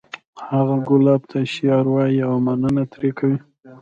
هغه ګلاب ته شعر وایی او مننه ترې کوي